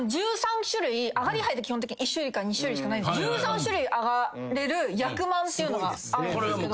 上がり牌って基本的に１種類から２種類しかないんですけど１３種類上がれる役満っていうのがあるんですけど。